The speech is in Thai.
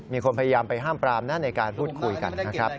มีคนพยายามไปห้ามปรามนะในการพูดคุยกันนะครับ